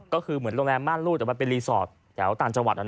ก็คือเหมือนโรงแรมม่านลูกแต่มันเป็นรีสอร์ท